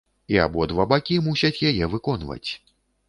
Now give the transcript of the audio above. І абодва бакі мусяць яе выконваць.